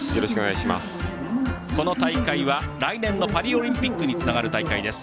この大会は来年のパリオリンピックにつながる大会です。